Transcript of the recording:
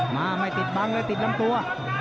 มาไม่ติดบังเลยติดลำตัว